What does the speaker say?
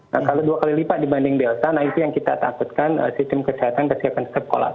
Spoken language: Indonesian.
nah kalau dua kali lipat dibanding delta nah itu yang kita takutkan sistem kesehatan pasti akan tetap kolaps